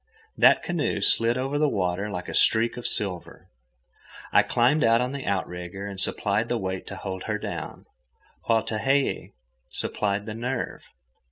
That canoe slid over the water like a streak of silver. I climbed out on the outrigger and supplied the weight to hold her down, while Tehei (pronounced Tayhayee) supplied the nerve.